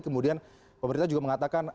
kemudian pemerintah juga mengatakan